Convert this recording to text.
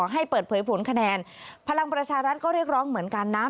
ให้เปิดเผยผลคะแนนพลังประชารัฐก็เรียกร้องเหมือนกันนะ